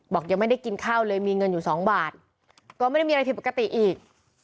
ยังไม่ได้กินข้าวเลยมีเงินอยู่สองบาทก็ไม่ได้มีอะไรผิดปกติอีก